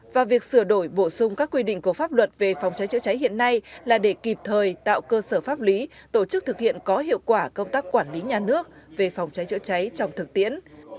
và việc sửa đổi bổ sung các quy định của pháp luật về phòng cháy chữa cháy hiện nay là để kịp thời tạo cơ sở pháp lý tổ chức thực hiện có hiệu quả công tác quản lý nhà nước về phòng cháy chữa cháy trong thực tiễn